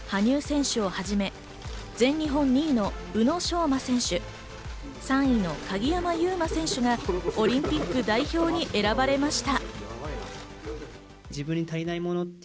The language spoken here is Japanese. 男子シングルは羽生選手をはじめ全日本２位の宇野昌磨選手、３位の鍵山優真選手がオリンピック代表に選ばれました。